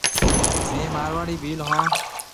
ميه مارواڙي ڀيل هون۔